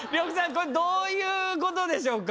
これどういうことでしょうか？